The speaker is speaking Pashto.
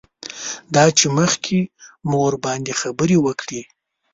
دا چې مخکې مو ورباندې خبرې وکړې.